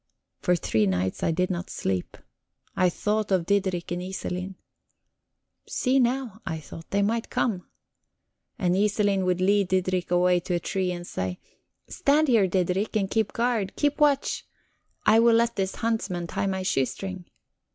For three nights I did not sleep; I thought of Diderik and Iselin. "See now," I thought, "they might come." And Iselin would lead Diderik away to a tree and say: "Stand here, Diderik, and keep guard; keep watch; I will let this huntsman tie my shoestring."